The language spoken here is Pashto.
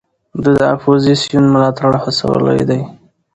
ده د اپوزېسیون ملاتړ هڅولی دی.